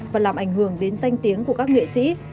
và làm ảnh hưởng đến danh tiếng của các nghệ sĩ